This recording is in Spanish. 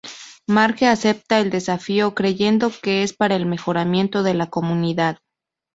Marge acepta el desafío, creyendo que es para el mejoramiento de la comunidad.